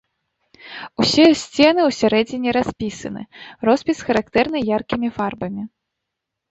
Усе сцены ўсярэдзіне распісаны, роспіс характэрны яркімі фарбамі.